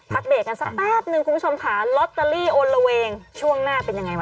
พักเบตกันสักแป๊บหนึ่งคุณผู้ชมค่ะ